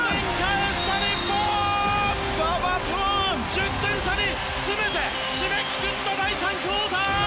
１０点差に詰めて締めくくった第３クオーター！